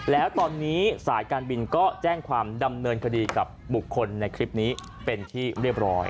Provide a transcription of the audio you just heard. แล้วตอนนี้สายการบินก็แจ้งความดำเนินคดีกับบุคคลในคลิปนี้เป็นที่เรียบร้อย